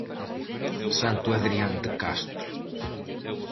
Santo Adrián de Castro.